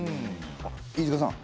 飯塚さん